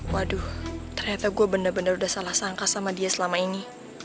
waduh ternyata gue benar benar udah salah sangka sama dia selama ini